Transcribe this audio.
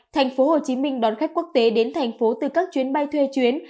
thành phố hồ chí minh đón khách quốc tế đến thành phố từ các chuyến bay thuê chuyến